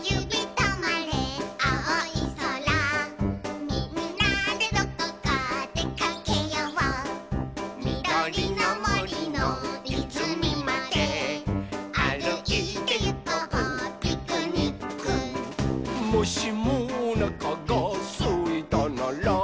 とまれあおいそら」「みんなでどこかでかけよう」「みどりのもりのいずみまであるいてゆこうピクニック」「もしもおなかがすいたなら」